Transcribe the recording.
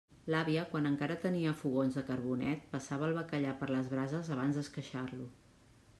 L'àvia, quan encara tenia fogons de carbonet, passava el bacallà per les brases abans d'esqueixar-lo.